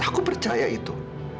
aku percaya itu